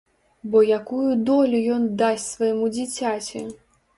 Бо якую долю ён дасць свайму дзіцяці?